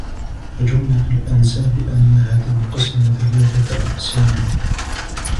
فَجُمْلَةُ الْأَنْسَابِ أَنَّهَا تَنْقَسِمُ ثَلَاثَةَ أَقْسَامٍ